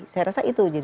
saya rasa itu